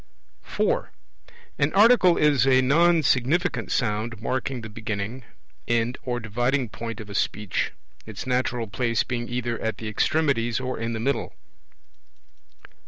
(4) An Article is a non significant sound marking the beginning, end, or dividing point of a Speech, its natural place being either at the extremities or in the middle.